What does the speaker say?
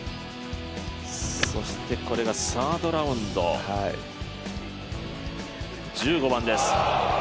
そしてこれがサードラウンド、１５番です。